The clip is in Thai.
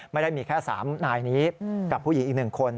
ไม่ได้มีแค่๓นายนี้กับผู้หญิงอีก๑คน